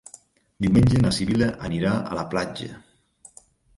Diumenge na Sibil·la anirà a la platja.